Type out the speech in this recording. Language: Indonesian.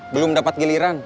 belum dapet giliran